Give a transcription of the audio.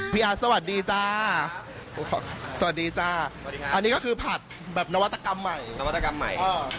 พี่อาร์ดสวัสดีจ้าสวัสดีจ้าอันนี้ก็คือผัดแบบนวัตกรรมใหม่